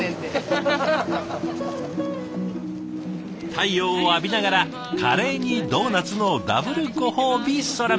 太陽を浴びながらカレーにドーナツのダブルご褒美ソラメシ！